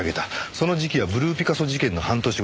その時期はブルーピカソ事件の半年後です。